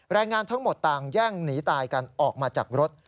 แรงงานทั้งหมดต่างแย่งหนีตายกันออกมาจากรถ